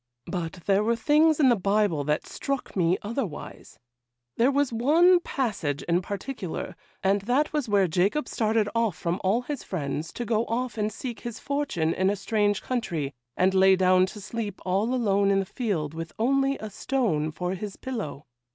But there were things in the Bible that struck me otherwise; there was one passage in particular, and that was where Jacob started off from all his friends, to go off and seek his fortune in a strange country, and lay down to sleep all alone in the field, with only a stone for his pillow.